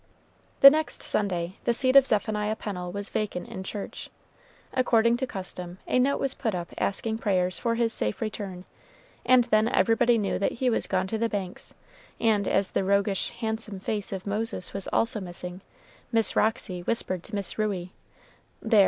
The next Sunday the seat of Zephaniah Pennel was vacant in church. According to custom, a note was put up asking prayers for his safe return, and then everybody knew that he was gone to the Banks; and as the roguish, handsome face of Moses was also missing, Miss Roxy whispered to Miss Ruey, "There!